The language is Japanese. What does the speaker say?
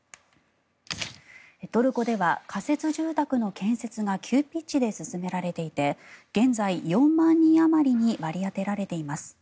トルコでは仮設住宅の建設が急ピッチで進められていて現在、４万人あまりに割り当てられています。